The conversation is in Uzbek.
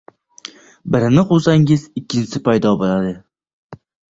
birini quvsangiz, ikkinchisi paydo bo‘ladi.